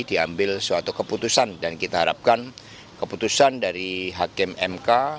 diambil suatu keputusan dan kita harapkan keputusan dari hakim mk